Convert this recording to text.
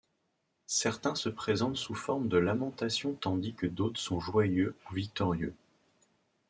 Certains se présentent sous forme de lamentation tandis que d'autres sont joyeux ou victorieux.